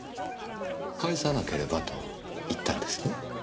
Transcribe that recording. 「返さなければ」と言ったんですね？